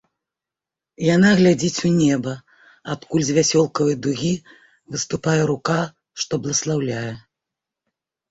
Яна глядзіць у неба, адкуль з вясёлкавай дугі выступае рука, што бласлаўляе.